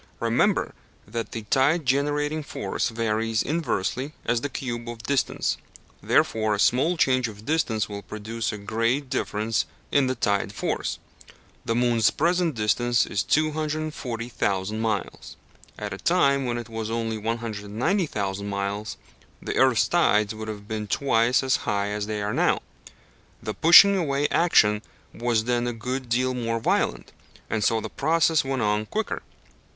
Remember that the tide generating force varies inversely as the cube of distance, wherefore a small change of distance will produce a great difference in the tide force. The moon's present distance is 240 thousand miles. At a time when it was only 190 thousand miles, the earth's tides would have been twice as high as they are now. The pushing away action was then a good deal more violent, and so the process went on quicker.